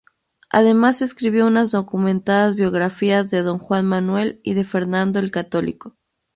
Además escribió unas documentadas biografías de don Juan Manuel y de Fernando el Católico.